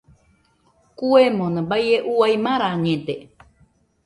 Kuemona baie uai marañede.